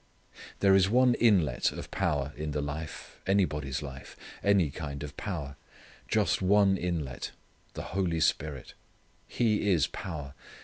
There is one inlet of power in the life anybody's life any kind of power: just one inlet the Holy Spirit. He is power.